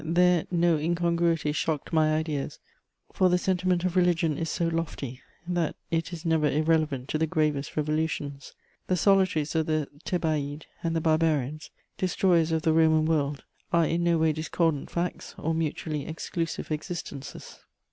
There no incongruity shocked my ideas, for the sentiment of religion is so lofty that it is never irrelevant to the gravest revolutions: the solitaries of the Thebaid and the Barbarians, destroyers of the Roman world, are in no way discordant facts or mutually exclusive existences.